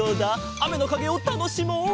あめのかげをたのしもう！